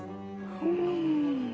お！